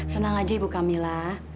tenang aja ibu kamila